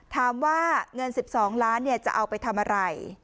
ถามว่าเงิน๑๒ล้านจะเอาไปทำอะไร